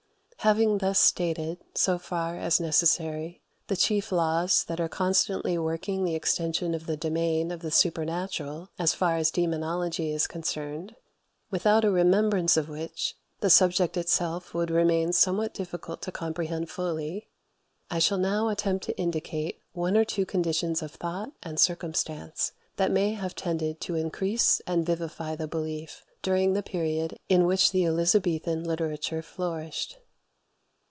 Having thus stated, so far as necessary, the chief laws that are constantly working the extension of the domain of the supernatural as far as demonology is concerned, without a remembrance of which the subject itself would remain somewhat difficult to comprehend fully, I shall now attempt to indicate one or two conditions of thought and circumstance that may have tended to increase and vivify the belief during the period in which the Elizabethan literature flourished.